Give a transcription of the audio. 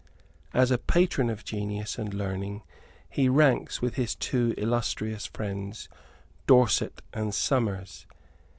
As a patron of genius and learning he ranks with his two illustrious friends, Dorset and Somers.